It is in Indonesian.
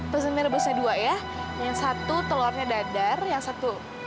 terus ini rebusnya dua ya yang satu telurnya dadar yang satu